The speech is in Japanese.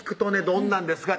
どんなんですか？